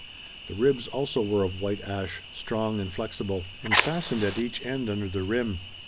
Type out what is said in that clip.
The ribs also were of white ash, strong and flexible, and fastened at each end under the rim.